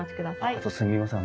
あとすみません。